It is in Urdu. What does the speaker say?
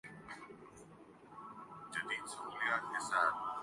یکم مئی کی کیا اہمیت ہوگی